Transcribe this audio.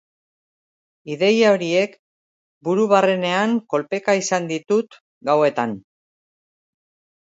Ideia horiek buru barrenean kolpeka izan ditut gauetan.